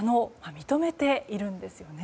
認めているんですよね。